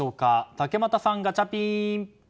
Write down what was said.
竹俣さん、ガチャピン！